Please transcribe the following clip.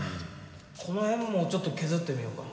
この辺もちょっと削ってみよか。